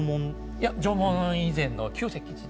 いや縄文以前の旧石器時代。